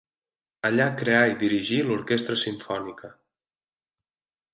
Allà creà i dirigí l'Orquestra Simfònica.